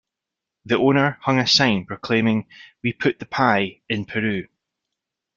The owner hung a sign proclaiming, We Put The Pie In Piru.